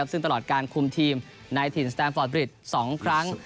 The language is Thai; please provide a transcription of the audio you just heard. ซึ่งตลอดการคุมทีมในถิ่นสแตมฟอร์ดบริด๒ครั้ง